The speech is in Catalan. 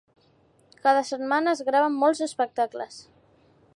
Cada setmana es graven molts espectacles.